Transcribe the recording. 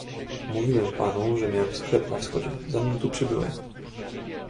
"Mówiłem panu, że miałem sklep na Wschodzie, zanim tu przybyłem."